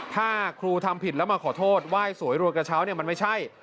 ถ้าครูทำผิดแล้วมาขอโทษไหว้สวยรวยกระเช้าเนี่ยมันไม่ใช่